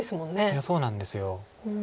いやそうなんです。